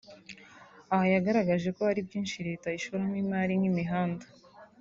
Aha yagaragaje ko hari byinshi Leta ishoramo imari nk’imihanda